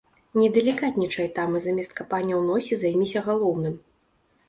Не далікатнічай там і замест капання ў носе займіся галоўным!